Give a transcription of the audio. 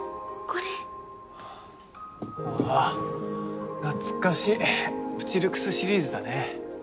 これああ懐かしいプチ・ルクスシリーズだね